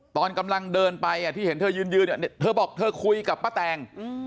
ตอนกำลังเดินไปที่เห็นเธอยืนเธอบอกเธอคุยกับป้าแตง